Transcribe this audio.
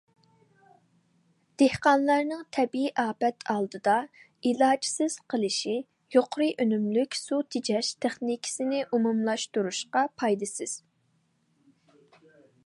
دېھقانلارنىڭ تەبىئىي ئاپەت ئالدىدا ئىلاجىسىز قېلىشى يۇقىرى ئۈنۈملۈك سۇ تېجەش تېخنىكىسىنى ئومۇملاشتۇرۇشقا پايدىسىز.